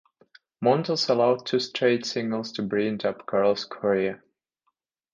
Montas allowed two straight singles to bring up Carlos Correa.